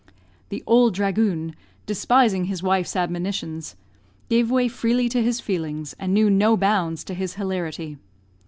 The "ould dhragoon," despising his wife's admonitions, gave way freely to his feelings, and knew no bounds to his hilarity.